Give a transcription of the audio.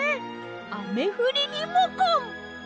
あめふりリモコン！